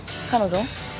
彼女？